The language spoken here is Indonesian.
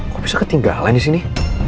kok bisa ketinggalan di sini